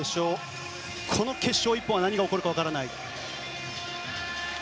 この決勝１本何が起こるか分からない。